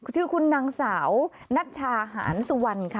ชื่อคุณนางสาวนัชชาหารสุวรรณค่ะ